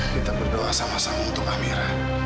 kita berdoa sama sama untuk kamera